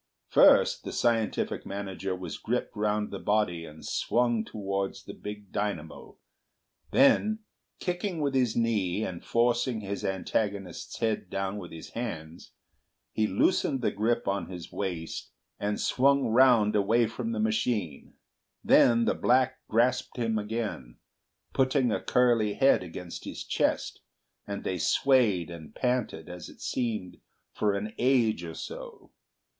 First, the scientific manager was gripped round the body and swung towards the big dynamo, then, kicking with his knee and forcing his antagonist's head down with his hands, he loosened the grip on his waist and swung round away from the machine. Then the black grasped him again, putting a curly head against his chest, and they swayed and panted as it seemed for an age or so.